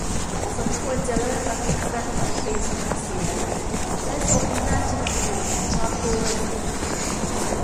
สมควรจะเลิกอภิรัฐมนตรีสภาเสีย และทรงพระราชดำริเห็นชอบด้วย